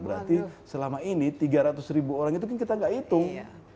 berarti selama ini tiga ratus ribu orang itu kan kita nggak hitung